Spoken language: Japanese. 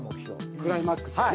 クライマックスやね。